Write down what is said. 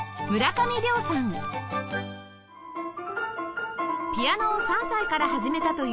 ピアノを３歳から始めたという村上さん